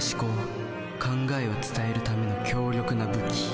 考えを伝えるための強力な武器。